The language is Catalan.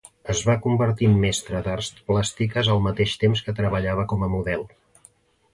Es va convertir en mestra d'arts plàstiques al mateix temps que treballava com a model.